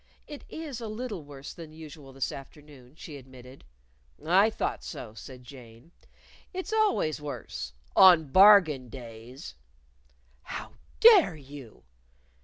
"It is a little worse than usual this afternoon," she admitted. "I thought so," said Jane. "It's always worse on bargain days." "How dare you!"